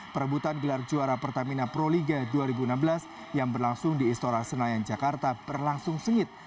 perebutan gelar juara pertamina proliga dua ribu enam belas yang berlangsung di istora senayan jakarta berlangsung sengit